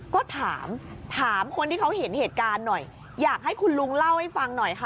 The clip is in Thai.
ก็ถามถามคนที่เขาเห็นเหตุการณ์หน่อยอยากให้คุณลุงเล่าให้ฟังหน่อยค่ะ